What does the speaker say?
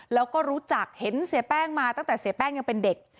แล้วก็รู้จักเห็นเสียแป้งมาตั้งแต่เสียแป้งยังเป็นเด็ก